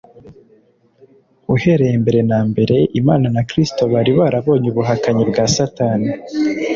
Uhereye mbere na mbere Imana na Kristo bari barabonye ubuhakanyi bwa Satani,